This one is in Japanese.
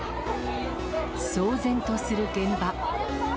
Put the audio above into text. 騒然とする現場。